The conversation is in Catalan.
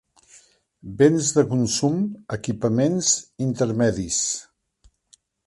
Béns de consum, equipaments, intermedis.